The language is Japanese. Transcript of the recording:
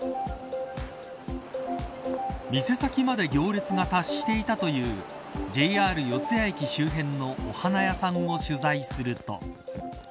店先まで行列が達していたというＪＲ四ツ谷駅周辺のお花屋さんを取材すると。